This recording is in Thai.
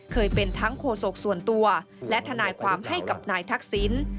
เคยเป็นทั้งโฆษกส่วนตัวและทนายความให้กับนายทักษิณ